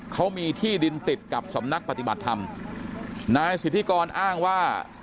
เขามีที่ดินติดกับสำนักปฏิบัติธรรมนายสิทธิกรอ้างว่า